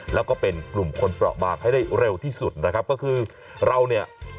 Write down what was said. แล้วก็เป็นกลุ่มคนเปราะบางให้ได้เร็วที่สุดนะครับก็คือเราเนี่ย